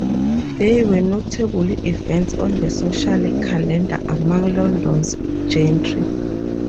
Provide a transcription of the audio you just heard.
They were notable events on the social calendar among London's gentry.